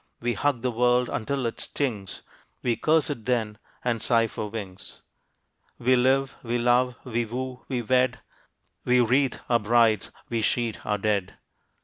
We hug the world until it stings, We curse it then and sigh for wings. We live, we love, we woo, we wed, We wreathe our brides, we sheet our dead.